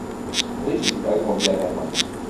Brigitt a grandi à Berlin.